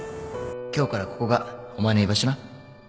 今日からここがお前の居場所な